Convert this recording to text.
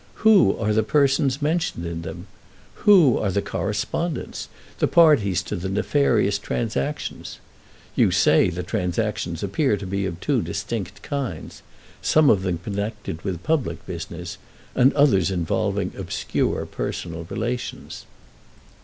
Who are the persons mentioned in them? who are the correspondents, the parties to the nefarious transactions? You say the transactions appear to be of two distinct kinds—some of them connected with public business and others involving obscure personal relations."